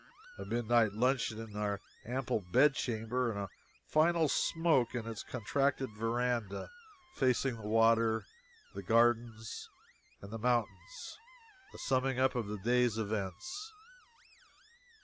A midnight luncheon in our ample bed chamber; a final smoke in its contracted veranda facing the water, the gardens, and the mountains; a summing up of the day's events.